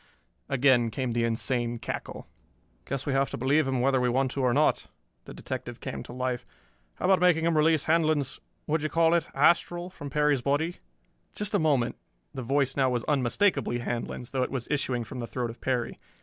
Again came the insane cackle. "Guess we have to believe him whether we want to or not." The detective came to life. "How about making him release Handlon's what d'ye call it? astral from Perry's body?" "Just a moment." The voice now was unmistakably Handlon's, though it was issuing from the throat of Perry.